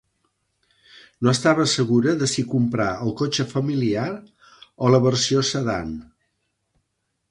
No estava segura de si comprar el cotxe familiar o la versió sedan